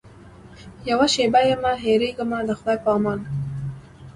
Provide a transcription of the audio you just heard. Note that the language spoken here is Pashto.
یوه شېبه یمه هېرېږمه د خدای په امان.